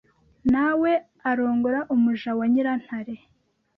na we arongora umuja wa Nyirantare